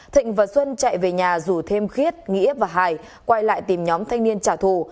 thịnh và xuân chạy về nhà rủ thêm khiết nghĩa và hải quay lại tìm nhóm thanh niên trả thù